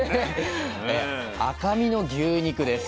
赤身の牛肉です。